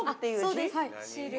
そうです。